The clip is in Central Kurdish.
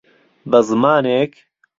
به زمانێک،